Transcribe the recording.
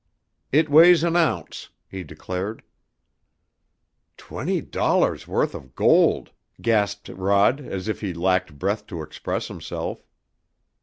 "It weighs an ounce," he declared. "Twenty dollars' worth of gold!" gasped Rod, as if he lacked breath to express himself.